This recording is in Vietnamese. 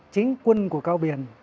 chính quân của cao biển